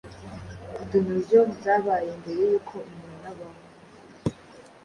donosaures zabayeho mbere yuko umuntu abaho